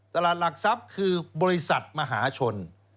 หลักทรัพย์คือบริษัทมหาชน